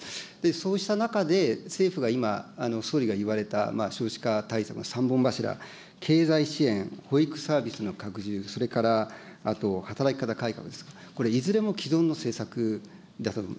そうした中で、政府が今、総理が言われた少子化対策の３本柱、経済支援、保育サービスの拡充、それからあと、働き方改革ですか、これ、いずれも既存の政策だと思う。